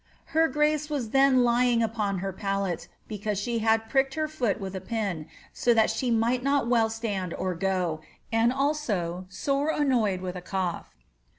^ Her grace was then lying upon her pallet, because she had pricked her foot with a pin, so that she might not well stand or go, and also sore annoyed with a cough.